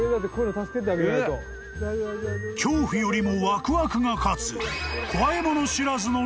［恐怖よりもワクワクが勝つ］